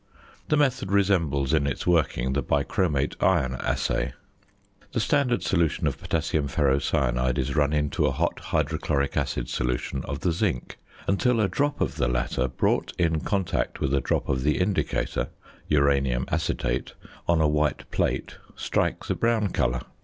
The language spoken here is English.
The method resembles in its working the bichromate iron assay. The standard solution of potassium ferrocyanide is run into a hot hydrochloric acid solution of the zinc until a drop of the latter brought in contact with a drop of the indicator (uranium acetate) on a white plate strikes a brown colour.